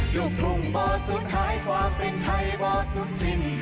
ยุคทุ่งบ่สุนท้ายความเป็นไทยบ่สุขสิ้น